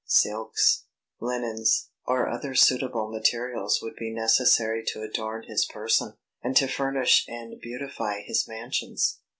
Silks, linens, or other suitable materials would be necessary to adorn his person, and to furnish and beautify his mansions.